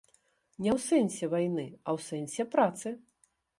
Не ў сэнсе вайны, а ў сэнсе працы.